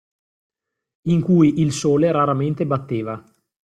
In cui il sole raramente batteva.